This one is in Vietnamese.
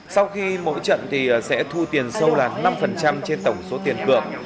sau khi mỗi trận thì sẽ thu tiền sâu là năm trên tổng số tiền cược